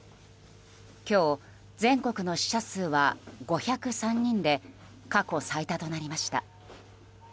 今日、全国の死者数は５０３人で過去最多となりました。